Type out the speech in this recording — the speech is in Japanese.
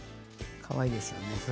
かわいいですよね。